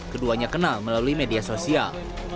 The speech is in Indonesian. keduanya kenal melalui media sosial